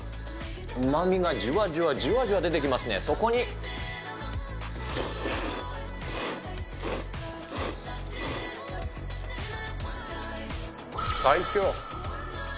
うまみがじわじわじわじわ出てきますね、そこに、最強。